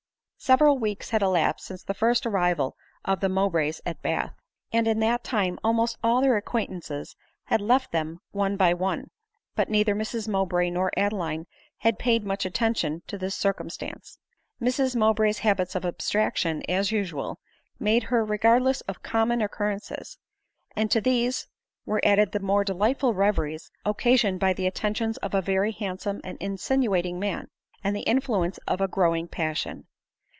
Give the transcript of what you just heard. Several weeks had elapsed since the first arrival of the Mowbrays at Bath, and in that time almost all their ac quaintances had left them one by one ; but neither Mrs Mowbray nor Adeline had paid much attention to this cir cumstance. Mrs Mowbray's habits of abstraction, as usual, made her regardless of common occurrences; and to these were added the more delightful reveries occasioned \ ADELINE MOWBRAY . 31 by the attentions of a very handsome and insinuating man, and the influence of a growing passion.